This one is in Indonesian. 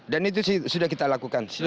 dan itu sudah kita lakukan